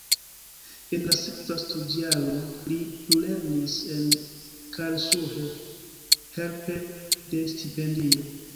En la sekva studjaro li plulernis en Karlsruhe helpe de stipendio.